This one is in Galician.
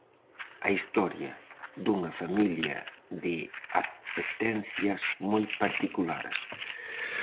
A historia dunha familia de apetencias moi particulares.